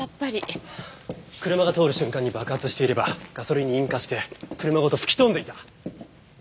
車が通る瞬間に爆発していればガソリンに引火して車ごと吹き飛んでいた！